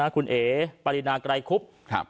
คุณเอ๋ปรินาไกรคุบ